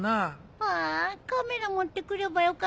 ああカメラ持ってくればよかったね。